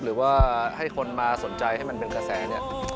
หรือว่าให้คนมาสนใจให้มันเป็นกระแสเนี่ย